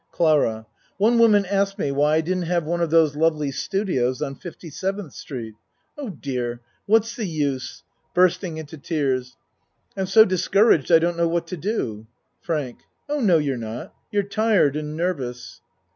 CLARA One woman asked me why I didn't have one of those lovely studios on 57th St. Oh, dear, what's the use. (Bursting into tears.) I'm so dis couraged I don't know what to do. FRANK Oh, no, you're not. You're tired and nervous.